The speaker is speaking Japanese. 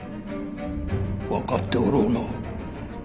分かっておろうな。